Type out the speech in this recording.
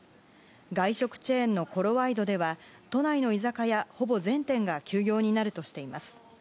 外食チェーンのコロワイドでは都内の居酒屋ほぼ全店が休業になるとしています。